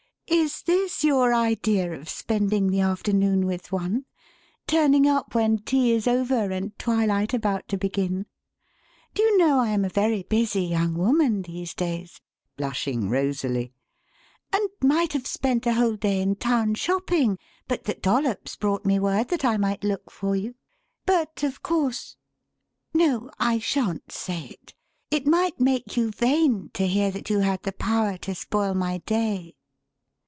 "Is this your idea of 'spending the afternoon' with one, turning up when tea is over and twilight about to begin? Do you know, I am a very busy young woman these days" blushing rosily "and might have spent a whole day in town shopping but that Dollops brought me word that I might look for you? But, of course No! I shan't say it. It might make you vain to hear that you had the power to spoil my day."